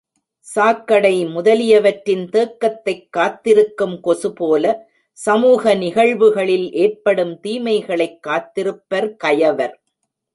சாக்கடை முதலியவற்றின் தேக்கத்தைக் காத்திருக்கும் கொசு போல, சமூக நிகழ்வுகளில் ஏற்படும் தீமைகளைக் காத்திருப்பர் கயவர்.